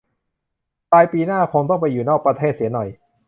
ปลายปีหน้าคงต้องไปอยู่นอกประเทศเสียหน่อย